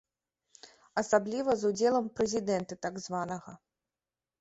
Асабліва з удзелам прэзідэнта так званага.